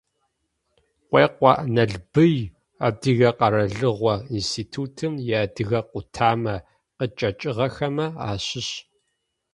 Къуекъо Налбый, Адыгэ къэралыгъо институтым иадыгэ къутамэ къычӏэкӏыгъэхэмэ ащыщ.